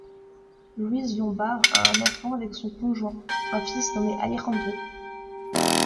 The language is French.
Louise Lombard a un enfant avec son conjoint, un fils nommé Alejandro.